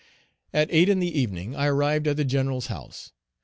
At eight in the evening I arrived at the General's house.